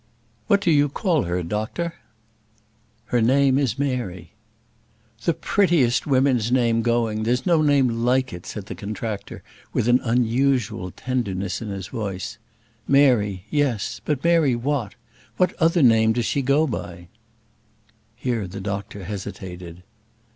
"What do you call her, doctor?" "Her name is Mary." "The prettiest women's name going; there's no name like it," said the contractor, with an unusual tenderness in his voice. "Mary yes; but Mary what? What other name does she go by?" Here the doctor hesitated.